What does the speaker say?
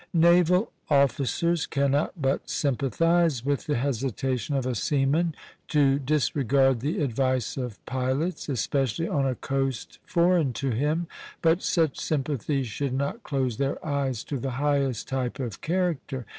Naval officers cannot but sympathize with the hesitation of a seaman to disregard the advice of pilots, especially on a coast foreign to him; but such sympathy should not close their eyes to the highest type of character.